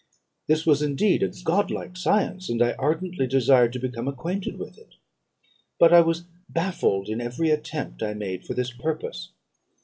This was indeed a godlike science, and I ardently desired to become acquainted with it. But I was baffled in every attempt I made for this purpose.